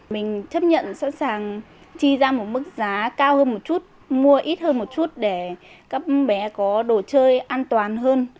mình chấp nhận sẵn sàng chi ra một mức giá cao hơn một chút mua ít hơn một chút để các bé có đồ chơi an toàn hơn